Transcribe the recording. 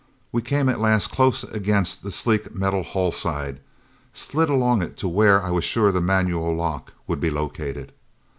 We came at last close against the sleek metal hull side, slid along it to where I was sure the manual lock would be located.